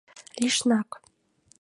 Лишнак.